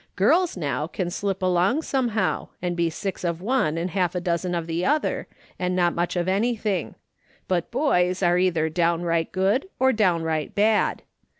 Girls, now, can slip along some how, and be six of one and half a dozen of the other, and not much of anything ; but boys are either downright good or downright bad.